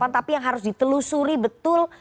tapi yang harus ditelusuri betul